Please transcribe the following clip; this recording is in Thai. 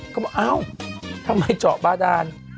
ก็บอกเอ้าทำไมเจาะบาดาน